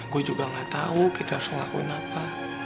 gue juga gak tahu kita harus ngelakuin apa